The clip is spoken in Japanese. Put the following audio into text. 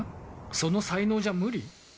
その才能じゃ無理？